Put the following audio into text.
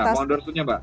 ya mohon dorstunya mbak